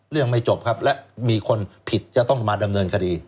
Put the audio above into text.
ไม่จบครับและมีคนผิดจะต้องมาดำเนินคดี